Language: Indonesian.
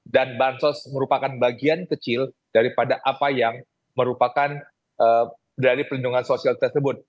dan bansos merupakan bagian kecil daripada apa yang merupakan dari pelindungan sosial tersebut